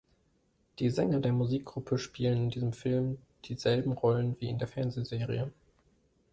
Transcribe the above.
Die Sänger der Musikgruppe spielen in dem Film dieselben Rollen wie in der Fernsehserie.